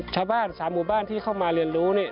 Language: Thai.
ชาวบ้าน๓หมู่บ้านที่เข้ามาเรียนรู้